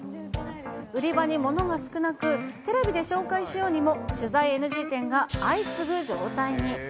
売り場にものが少なくテレビで紹介しようにも、取材ＮＧ店が相次ぐ状態に。